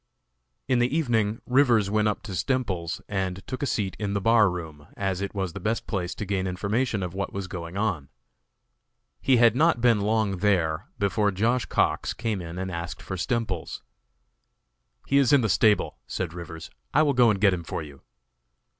In the evening Rivers went up to Stemples's and took a seat in the bar room, as it was the best place to gain information of what was going on. He had not been long there before Josh. Cox came in and asked for Stemples. "He is in the stable," said Rivers; "I will go and get him for you."